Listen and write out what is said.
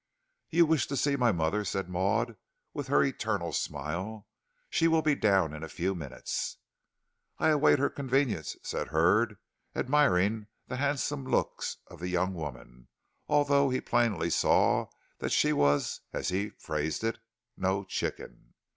"You wish to see my mother," said Maud, with her eternal smile. "She will be down in a few minutes." "I await her convenience," said Hurd, admiring the handsome looks of the young woman, although he plainly saw that she was as he phrased it "no chicken."